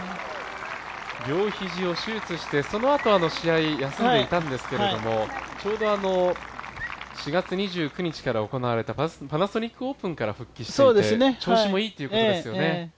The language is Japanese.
両肘を手術して、そのあと試合休んでいたんですけどちょうど４月２９日から行われたパナソニックオープンから復帰して調子もいいっていうことですよね。